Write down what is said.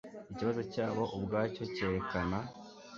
ikibazo cyabo ubwacyo cyerekana